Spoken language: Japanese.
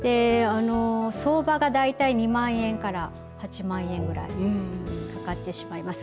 相場が大体２万円から８万円ぐらいかかってしまいます。